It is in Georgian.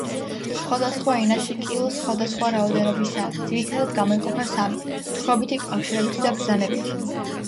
სხვადასხვა ენაში კილო სხვადასხვა რაოდენობისაა, ძირითადად გამოიყოფა სამი: თხრობითი, კავშირებითი და ბრძანებითი.